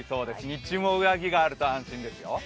日中も上着があると安心ですよ。